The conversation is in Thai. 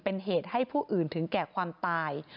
เป็นเหตุให้ผู้อื่นถึงแก่ความตาย